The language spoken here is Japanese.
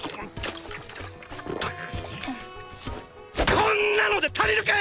こんなので足りるかよ！